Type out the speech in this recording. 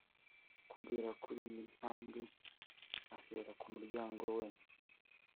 kugera kuri iyi ntabwe ahera ku muryango we